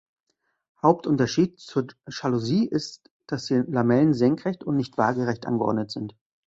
Hauptunterschied zur Jalousie ist, dass die Lamellen senkrecht und nicht waagerecht angeordnet sind.